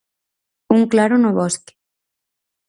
Un Claro no Bosque.